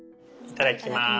いただきます。